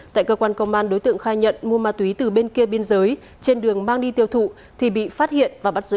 tại cơ quan công an đối tượng khai nhận mua ma túy từ bên kia biên giới trên đường mang đi tiêu thụ thì bị phát hiện và bắt giữ